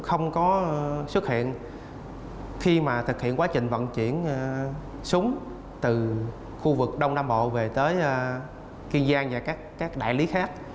khi mà thực hiện quá trình vận chuyển súng từ khu vực đông nam bộ về tới kiên giang và các đại lý khác